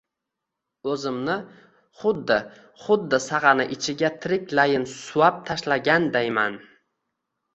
O`zimni xuddi xuddi sag`ana ichiga tiriklayin suvab tashlagandayman